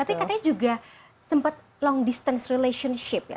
tapi katanya juga sempat long distance relationship ya